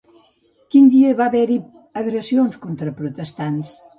Quin dia va haver-hi agressions contra protestants?